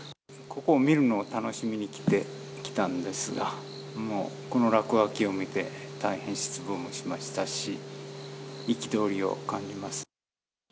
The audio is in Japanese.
ここを見るのを楽しみに来て、来たんですが、もうこの落書きを見て、大変失望もしましたし、憤りを感じます。